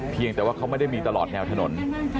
เพียงแต่ว่าเขาไม่ได้มีตลอดแนวถนน